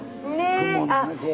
雲のねこう。